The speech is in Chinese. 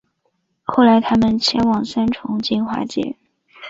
后来他们迁往三重金华街